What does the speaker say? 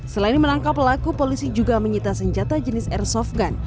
selain menangkap pelaku polisi juga menyita senjata jenis airsoft gun